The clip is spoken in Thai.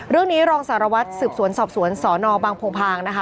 เรื่องนี้รองสารวัตรสืบสวนสอบสวนสนบางโพงพางนะคะ